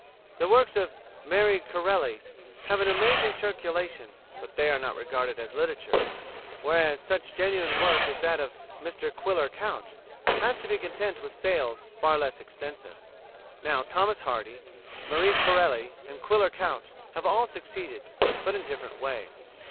The works of Marie Corelli have an amazing circulation, but they are not regarded as literature; whereas such genuine work as that of Mr Quiller Couch has to be content with sales far less extensive. Now Thomas Hardy, Marie Corelli, and Quiller Couch have all succeeded, but in different ways.